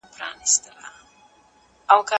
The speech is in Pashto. خارجي شرکتونه یوازې خپله ګټه غواړي.